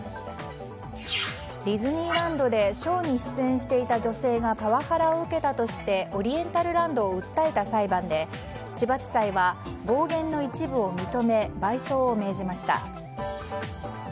ディズニーランドでショーに出演していた女性がパワハラを受けたとしてオリエンタルランドを訴えた裁判で千葉地裁は暴言の一部を認め賠償を命じました。